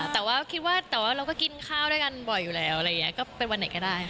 แต่ว่าคิดว่าแต่ว่าเราก็กินข้าวด้วยกันบ่อยอยู่แล้วอะไรอย่างนี้ก็เป็นวันไหนก็ได้ค่ะ